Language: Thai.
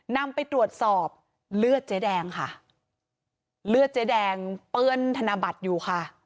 นำไปตรวจสอบเลือดเจ๊แดงค่ะเลือดเจ๊แดงเปื้อนธนบัตรอยู่ค่ะ